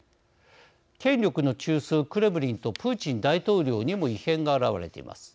権力の中枢クレムリンとプーチン大統領にも異変が表れています。